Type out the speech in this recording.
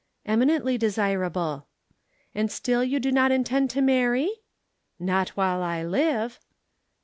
"Eminently desirable." "And still you do not intend to marry?" "Not while I live."